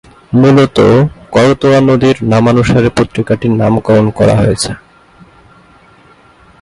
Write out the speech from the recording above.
মূলত করতোয়া নদীর নামানুসারেই পত্রিকাটির নামকরণ করা হয়েছে।